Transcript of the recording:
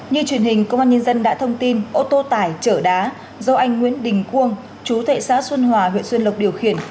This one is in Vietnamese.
như truyền hình công an nhân dân đã thông tin ô tô tải trở đá do anh nguyễn đình cuông chú thệ xã xuân hòa huyện xuyên lục điều khiển